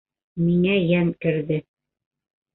Миңә йән керҙе.